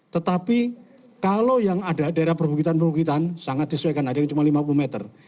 tetapi kalau yang ada daerah perbukitan perbukitan sangat disesuaikan ada yang cuma lima puluh meter